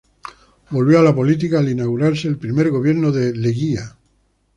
Volvió a la política al inaugurarse el primer gobierno de Leguía.